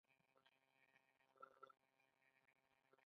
ایا د پوستکي ډاکټر ته تللي یاست؟